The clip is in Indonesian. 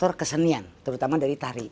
faktor kesenian terutama dari tari